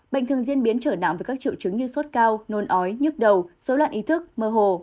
bệnh thường diễn biến trở nặng với các triệu chứng như sốt cao nôn ói nhức đầu dối loạn ý thức mơ hồ